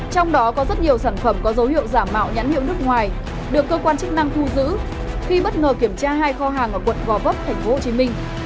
trong đó có rất nhiều sản phẩm có dấu hiệu giả mạo nhãn hiệu nước ngoài được cơ quan chức năng thu giữ khi bất ngờ kiểm tra hai kho hàng ở quận gò vấp tp hcm